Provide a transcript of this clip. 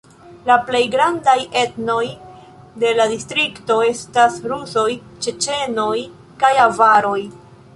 La plej grandaj etnoj de la distrikto estas rusoj, ĉeĉenoj kaj avaroj.